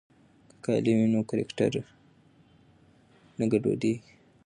که کالي وي نو کرکټر نه ګډوډیږي.